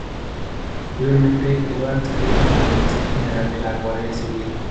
Posteriormente quedó adscrito a la Dirección general de la Guardia Civil.